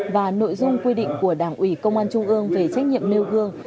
và nội dung quy định của đảng ủy công an trung ương về trách nhiệm nêu gương